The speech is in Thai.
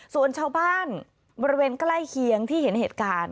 ส่วนชาวบ้านบริเวณใกล้เคียงที่เห็นเหตุการณ์